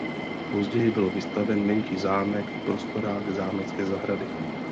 Později byl vystavěn menší zámek v prostorách zámecké zahrady.